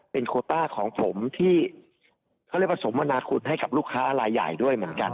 โคต้าของผมที่เขาเรียกว่าสมมนาคุณให้กับลูกค้ารายใหญ่ด้วยเหมือนกัน